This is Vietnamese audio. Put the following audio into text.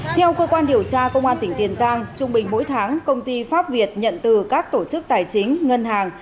theo cơ quan điều tra công an tỉnh tiền giang trung bình mỗi tháng công ty pháp việt nhận từ các tổ chức tài chính ngân hàng